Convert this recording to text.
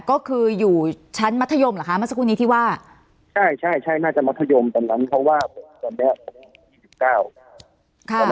ก็คืออยู่ชั้นมัธยมเหรอคะเมื่อสักครู่นี้ที่ว่าใช่ใช่ใช่น่าจะมัธยมตอนนั้นเพราะว่า